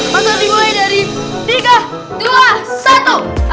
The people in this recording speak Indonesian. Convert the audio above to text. masak ribu aja dari tiga dua satu